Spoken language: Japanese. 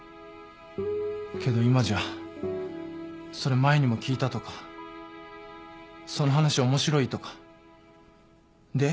けど今じゃ「それ前にも聞いた」とか「その話面白い？」とか「で？」